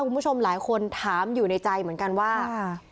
คุณผู้ชมหลายคนถามอยู่ในใจเหมือนกันว่า